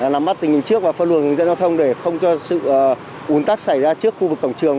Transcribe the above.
nắm mắt tình hình trước và phân luồng dẫn giao thông để không cho sự uốn tắt xảy ra trước khu vực cổng trường